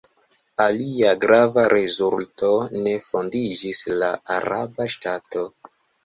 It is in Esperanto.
Alia grava rezulto: ne fondiĝis la araba ŝtato.